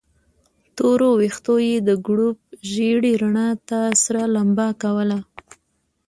تورو ويښتو يې د ګروپ ژېړې رڼا ته سره لمبه کوله.